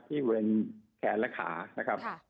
เกร็งแขนและขานะครับ